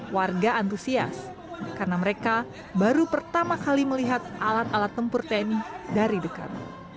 warga antusias karena mereka baru pertama kali melihat alat alat tempur tni dari dekat